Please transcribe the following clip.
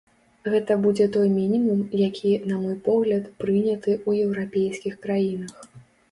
Гэта будзе той мінімум, які, на мой погляд, прыняты ў еўрапейскіх краінах.